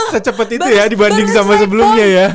secepat itu ya dibanding sama sebelumnya ya